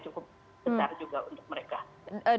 cukup besar juga untuk mereka